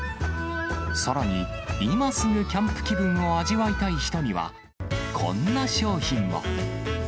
さらに、今すぐキャンプ気分を味わいたい人には、こんな商品も。